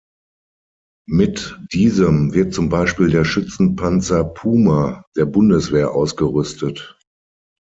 Mit diesem wird zum Beispiel der Schützenpanzer Puma der Bundeswehr ausgerüstet.